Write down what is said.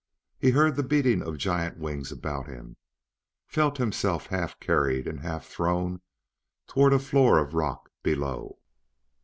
He heard the beating of giant wings about him; felt himself half carried and half thrown toward a floor of rock far below.